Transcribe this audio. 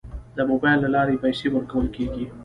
د موبایل له لارې پیسې ورکول کیږي.